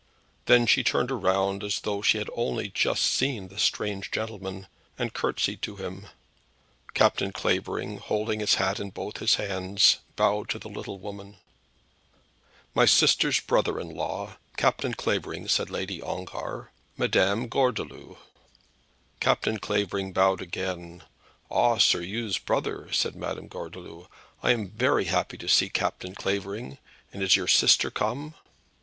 Then she turned round as though she had only just seen the strange gentleman, and curtseyed to him. Captain Clavering holding his hat in both his hands bowed to the little woman. [Illustration: Captain Clavering makes his first attempt.] "My sister's brother in law, Captain Clavering," said Lady Ongar. "Madam Gordeloup." Captain Clavering bowed again. "Ah, Sir Oo's brother," said Madam Gordeloup. "I am very glad to see Captain Clavering; and is your sister come?"